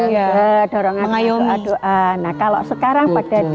ya dorongan layung aduan nah kalau sekarang pada